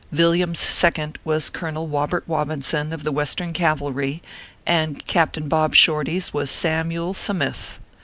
Yilliam s second was Colonel Wobert Wobinson of the Western Cavalry, Captain Bob Shorty s was Samyule Sa mith.